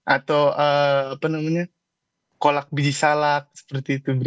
atau apa namanya kolak biji salat seperti itu